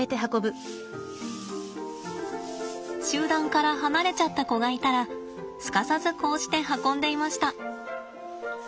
集団から離れちゃった子がいたらすかさずこうして運んでいました。